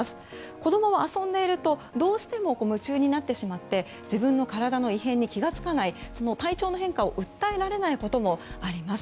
子供は、遊んでいるとどうしても夢中になってしまって自分の体の異変に気が付かない体調の変化を訴えられないこともあります。